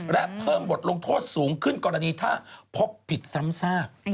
และเพิ่มบทลงโทษสูงขึ้นกรณีถ้าพบผิดซ้ำซาก